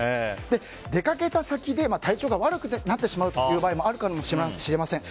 出かけた先で体調が悪くなってしまう場合もあるかもしれません。